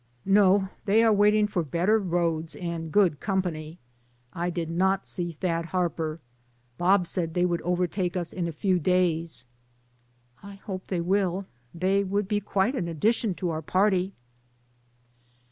"No ; they are waiting for better roads and good company. I did not see Thad Harper. Bob said they will overtake us in a few days." "I hope they will, they would be quite an addition to our party."